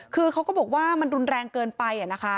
คือเขาก็บอกว่ามันรุนแรงเกินไปนะคะ